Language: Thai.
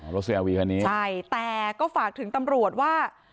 เสียอาวีคันนี้ใช่แต่ก็ฝากถึงตำรวจว่า